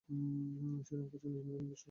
শিরোনাম খুঁজছেন, ইউনিয়নের বিষয়টা করুন।